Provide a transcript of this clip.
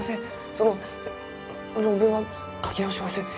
その論文は書き直します。